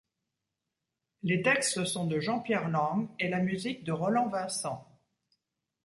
Les textes sont de Jean-Pierre Lang et la musique de Roland Vincent.